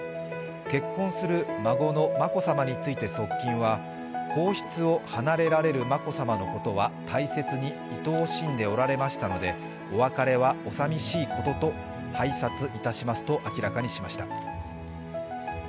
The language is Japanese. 結婚する孫の眞子さまについて側近は皇室を離れられる眞子さまのことは大切にいとおしんでおられましたのでお別れはおさみしいことと拝察いたしますと明らかにしました。